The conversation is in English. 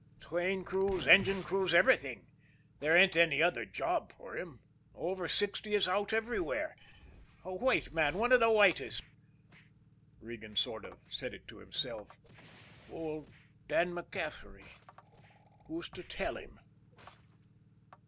Train crews, engine crews, everything there ain't any other job for him. Over sixty is out everywhere. A white man one of the whitest" Regan sort of said it to himself "old Dan MacCaffery. Who's to tell him?"